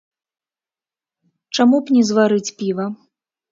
Чаму б не зварыць піва?